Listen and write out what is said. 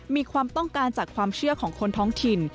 มีความต้องการจากความเชื่อของคนท้องถิ่น